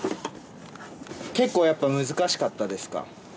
結構やっぱり難しかったですか？